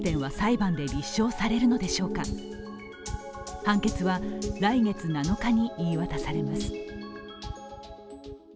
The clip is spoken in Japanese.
判決は来月７日に言い渡されます。